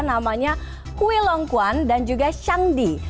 namanya kui long kuan dan juga shangdi